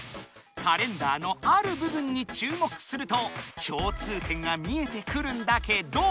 カレンダーのある部分に注目すると共通点が見えてくるんだけど。